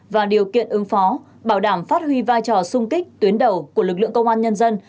và điều kiện ứng phó bảo đảm phát huy vai trò sung kích tuyến đầu của lực lượng công an nhân dân